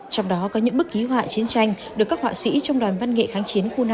trong đó có những bức ký họa chiến tranh được các họa sĩ trong đoàn văn nghệ kháng chiến khu năm